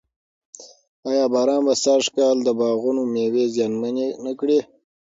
ایا باران به سږ کال د باغونو مېوې زیانمنې نه کړي؟